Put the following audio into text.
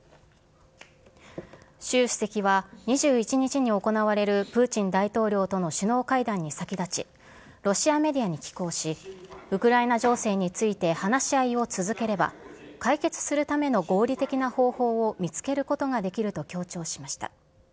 習主席は２１日に行われるプーチン大統領との首脳会談に先立ち、ロシアメディアに寄稿し、ウクライナ情勢について話し合いを続ければ、解決するための合理的な方法を見つけることができると強調しました。